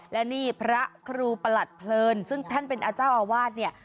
และนี่พระครูประหลัดเพลินซึ่งท่านเป็นอาเจ้าอาวาสเนี่ย